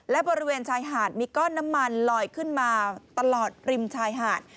และบริเวณชายหาดมีก้อนน้ำมันลอยขึ้นมาตลอดริมชายหาด